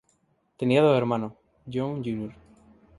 Tenía dos hermanos, John Jr.